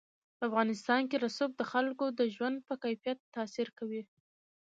په افغانستان کې رسوب د خلکو د ژوند په کیفیت تاثیر کوي.